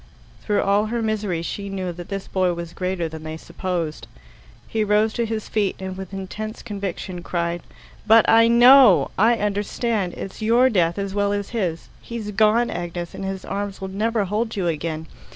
Through all her misery she knew that this boy was greater than they supposed. He rose to his feet, and with intense conviction cried: "But I know I understand. It's your death as well as his. He's gone, Agnes, and his arms will never hold you again.